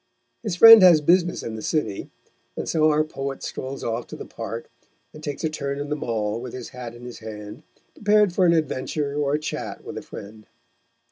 His friend has business in the city, and so our poet strolls off to the Park, and takes a turn in the Mall with his hat in his hand, prepared for an adventure or a chat with a friend.